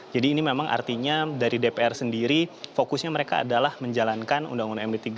jadi ini memang artinya dari dpr sendiri fokusnya mereka adalah menjalankan undang undang md tiga